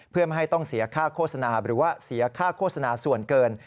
เพื่อไม่ให้ต้องเสียค่าโฆษณาหรือว่าเสียค่าโฆษณาส่วนเกิน